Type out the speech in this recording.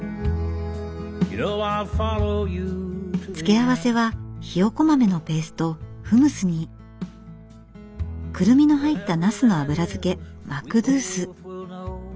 付け合わせはひよこ豆のペーストフムスにクルミの入ったナスの油漬けマクドゥース。